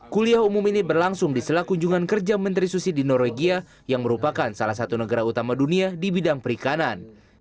kuliah umum ini berlangsung di sela kunjungan kerja menteri susi di norwegia yang merupakan salah satu negara utama dunia di bidang perikanan